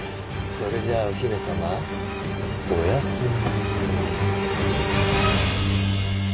それじゃお姫様おやすみ。